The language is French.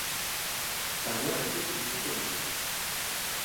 Sa mère était une couturière.